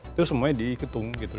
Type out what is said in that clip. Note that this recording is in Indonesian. itu semuanya diketung gitu